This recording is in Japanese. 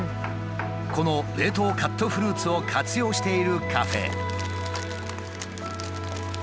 この冷凍カットフルーツを活用しているカフェ。